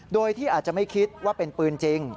โดยที่อาจจะไม่คิดว่าเป็นปืนจริง